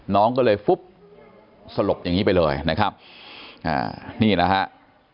น้องก็เลยฟุ๊บสลบอย่างนี้ไปเลยนะครับอ่านี่นะฮะ